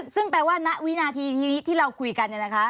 ซึ่งแปลว่าณวินาทีทีนี้ที่เราคุยกันเนี่ยนะคะ